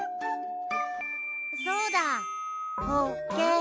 そうだ！